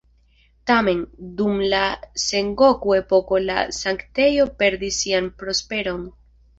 Tamen, dum la Sengoku-epoko la sanktejo perdis sian prosperon.